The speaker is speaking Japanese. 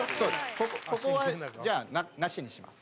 ここはじゃあ、なしにします。